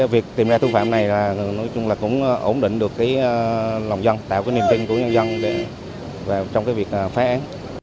việc tìm ra tù phạm này cũng ổn định được lòng dân tạo niềm tin của nhân dân trong việc phá án